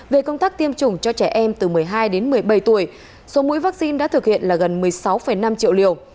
về công tác tiêm chủng cho trẻ em từ một mươi hai đến một mươi bảy tuổi số mũi vaccine đã thực hiện là gần một mươi sáu năm triệu liều